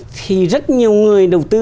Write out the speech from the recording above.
thì rất nhiều người đầu tư